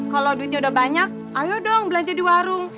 kalau duitnya udah banyak ayo dong belanja di warung